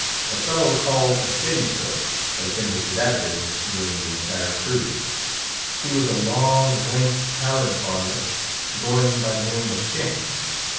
A fellow called a steady cook, attended to that business during the entire cruise. He was a long, lank, pallid varlet, going by the name of Shanks.